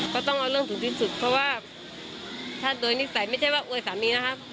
ก็ต้องเอาเรื่องถึงที่สุดเพราะว่าถ้าโดยนิสัยไม่ใช่ว่าอวยสามีนะครับ